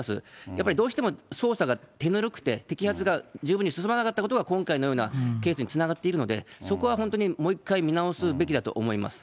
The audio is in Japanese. やっぱりどうしても捜査が手ぬるくて摘発が十分に進まなかったことが、今回のようなケースにつながっているので、そこは本当にもう一回見直すべきだと思います。